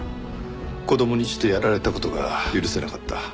子供にしてやられた事が許せなかった。